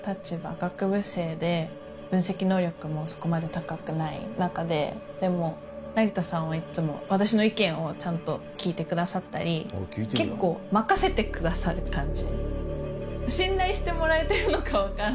学部生で分析能力もそこまで高くない中ででも成田さんはいっつも私の意見をちゃんと聞いてくださったり結構任せてくださる感じ。